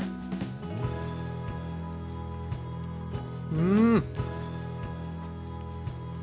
うん！